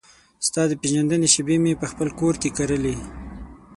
ستا د پیژندنې شیبې مې پخپل کور کې کرلې